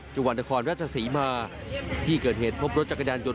จังหวัดนครราชศรีมาที่เกิดเหตุพบรถจักรยานยน